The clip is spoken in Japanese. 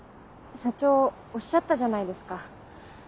社長おっしゃったじゃないですか。